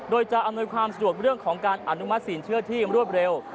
โดยจะอำนวยความสะดวกเรื่องของการอนุมัติสินเชื่อที่รวดเร็ว